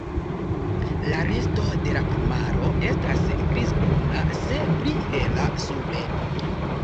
La resto de la plumaro estas grizbruna, se pli hela sube.